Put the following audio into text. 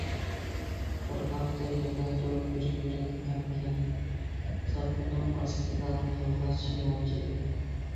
قىرغاقتا يىغلايدۇ بىر يۈرەك غەمكىن، تاپىنىڭ ئاستىدا قالغاچ يانجىلىپ.